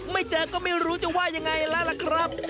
ไม่เจอก็ไม่รู้จะว่ายังไงแล้วล่ะครับ